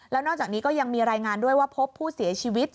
แล้วนอกจากนี้ก็ยังมีรายงานด้วยว่าพบผู้เสียชีวิต